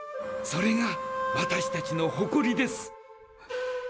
それが私たちのほこりです。